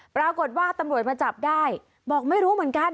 ปรากฏว่าตำรวจมาจับได้บอกไม่รู้เหมือนกัน